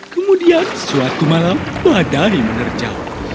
kemudian suatu malam badan menerja